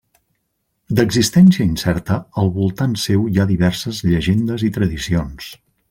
D'existència incerta, al voltant seu hi ha diverses llegendes i tradicions.